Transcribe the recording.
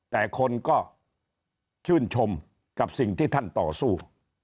แต่คนก็ชื่นชมกับสิ่งที่ท่านต่อสู้